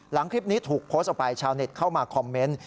คลิปนี้ถูกโพสต์ออกไปชาวเน็ตเข้ามาคอมเมนต์